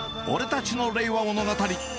俺たちの令和物語。